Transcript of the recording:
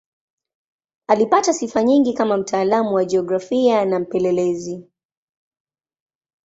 Alipata sifa nyingi kama mtaalamu wa jiografia na mpelelezi.